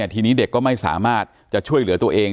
ทีนี้เด็กก็ไม่สามารถจะช่วยเหลือตัวเอง